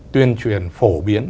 tuyên truyền phổ biến